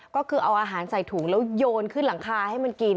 ก็คือเอาอาหารใส่ถุงแล้วโยนขึ้นหลังคาให้มันกิน